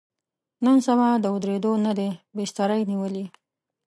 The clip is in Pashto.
نن سبا د ودرېدو نه دی، بستره یې نیولې.